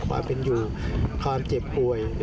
ความเป็นอยู่ความเจ็บป่วย